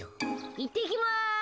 ・いってきます！